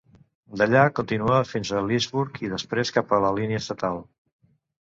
D'allà continua fins a Leesburg i després cap a la línia estatal.